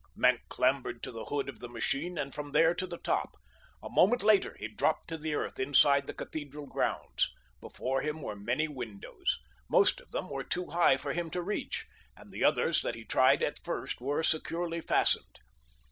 Maenck clambered to the hood of the machine, and from there to the top. A moment later he dropped to the earth inside the cathedral grounds. Before him were many windows. Most of them were too high for him to reach, and the others that he tried at first were securely fastened.